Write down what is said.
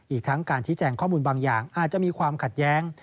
อีกทั้งการชี้แจงข้อมูลบางอย่างอาจจะมีความขัดแย้ง